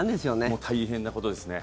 もう大変なことですね。